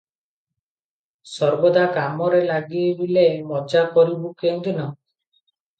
ସର୍ବଦା କାମରେ ଲାଗିଲେ ମଜା କରିବୁଁ କେଉଁଦିନ?